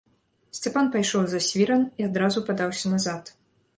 Сцяпан пайшоў за свіран і адразу падаўся назад.